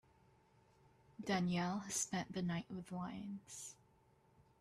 Danielle has spent the night with lions.